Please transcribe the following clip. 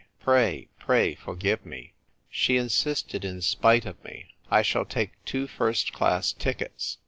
Pray, pray, forgive me." She insisted in spite of me. " I shall take two first class tickets."